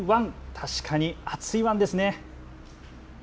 確かに暑いワンですね。